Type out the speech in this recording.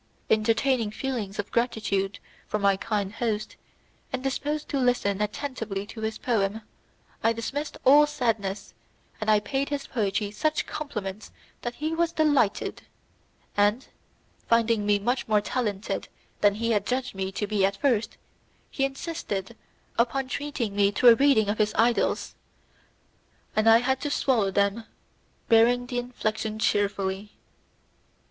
Entertaining feelings of gratitude for my kind host, and disposed to listen attentively to his poem, I dismissed all sadness, and I paid his poetry such compliments that he was delighted, and, finding me much more talented than he had judged me to be at first, he insisted upon treating me to a reading of his idylls, and I had to swallow them, bearing the infliction cheerfully.